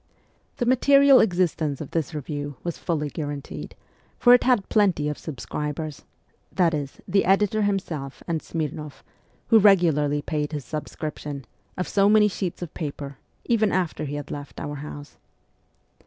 The material existence of this review was fully guaranteed, for it had plenty of subscribers ; that is, the editor himself and Smirn6ff, who regularly paid his subscription, of so many sheets of paper, even after he had left our house.